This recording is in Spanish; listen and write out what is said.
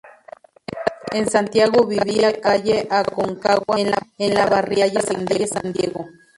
En Santiago vivía calle Aconcagua en la barriada de calle San Diego.